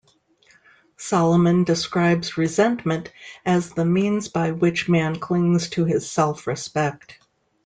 Solomon describes resentment as the means by which man clings to his self-respect.